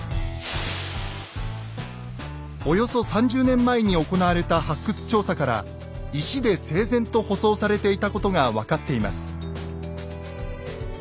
およそ３０年前に行われた発掘調査から石で整然と舗装されていたことが分かっています。